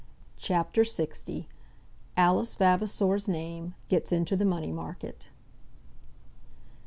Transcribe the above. CHAPTER LX. Alice Vavasor's Name Gets into the Money Market.